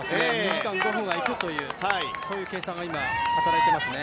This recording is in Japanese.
２時間５分はいくという、そういう計算が今、はたらいていますね。